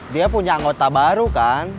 dia punya anggota baru kan